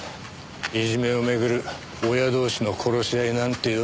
いじめをめぐる親同士の殺し合いなんてよ。